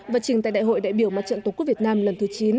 và trình tại đại hội đại biểu mặt trận tổ quốc việt nam lần thứ chín